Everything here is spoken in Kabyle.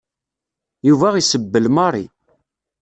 Yuba isebbel Mary.